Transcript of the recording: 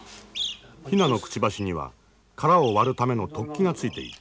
ヒナのくちばしには殻を割るための突起がついている。